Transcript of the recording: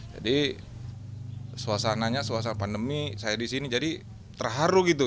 jadi suasananya suasana pandemi saya di sini jadi terharu gitu